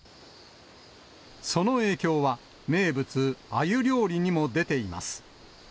その影響は、名物、あゆ料理にも出ています。